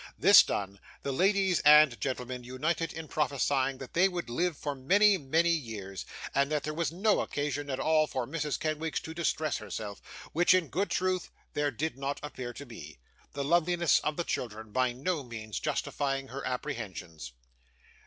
This done, the ladies and gentlemen united in prophesying that they would live for many, many years, and that there was no occasion at all for Mrs. Kenwigs to distress herself; which, in good truth, there did not appear to be; the loveliness of the children by no means justifying her apprehensions.